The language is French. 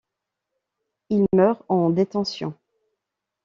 Il meurt en détention.